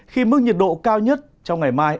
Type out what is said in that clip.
khi mức nhiệt độ cao nhất trong ngày mai